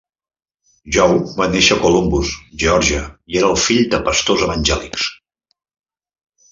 Joe va néixer a Columbus, Geòrgia i era el fill de pastors evangèlics.